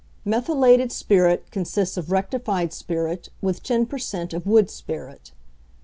Methylated spirit consists of rectified spirit with 10 per cent. of wood spirit.